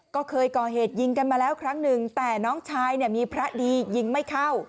ก็เคยก่อเหตุยิงกันมาแล้วครั้งหนึ่งแต่น้องชายเนี่ยมีพระดียิงไม่เข้า